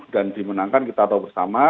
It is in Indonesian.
dan dimenangkan kita tahu bersama